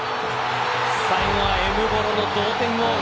最後はエムボロの同点ゴール。